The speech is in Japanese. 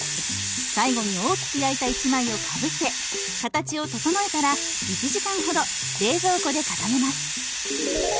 最後に大きく焼いた１枚をかぶせ形を整えたら１時間ほど冷蔵庫で固めます。